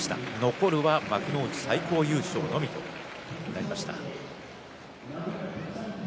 残るは幕内最高優勝のみとなりました。